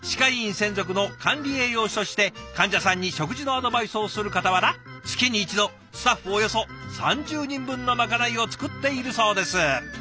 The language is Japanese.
専属の管理栄養士として患者さんに食事のアドバイスをするかたわら月に一度スタッフおよそ３０人分のまかないを作っているそうです。